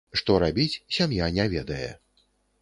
Што рабіць, сям'я не ведае.